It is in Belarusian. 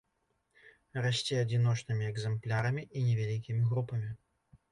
Расце адзіночнымі экзэмплярамі і невялікімі групамі.